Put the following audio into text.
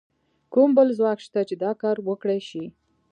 کوم بل ځواک شته چې دا کار وکړای شي؟